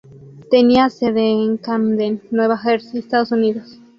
Tenía sede en Camden, Nueva Jersey, Estados Unidos.